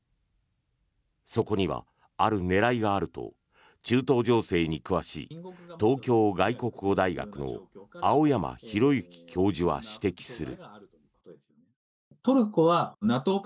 そこにはある狙いがあると中東情勢に詳しい東京外国語大学の青山弘之教授は指摘する。